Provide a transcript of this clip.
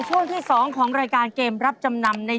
ไถ่ของเฮ้ยใช่